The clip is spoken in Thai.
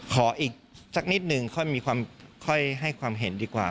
ขออีกสักนิดหนึ่งค่อยให้ความเห็นดีกว่า